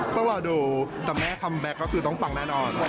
ต้องรอดูแต่แม่คัมแบ็คก็คือต้องฟังแน่นอน